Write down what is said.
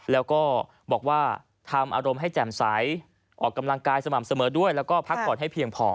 แล้วก็บอกว่าทำอารมณ์ให้แจ่มใสออกกำลังกายสม่ำเสมอด้วยแล้วก็พักผ่อนให้เพียงพอ